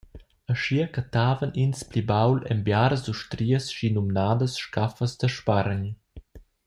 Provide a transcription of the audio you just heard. Aschia cattavan ins pli baul en biaras ustrias schinumnadas scaffas da spargn.